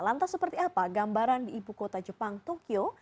lantas seperti apa gambaran di ibu kota jepang tokyo